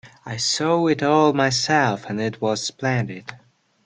I saw it all myself, and it was splendid.